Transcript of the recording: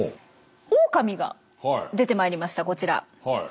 オオカミが出てまいりましたこちら。